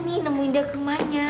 nanti aku nungguin dia ke rumahnya